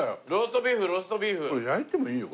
これ焼いてもいいよ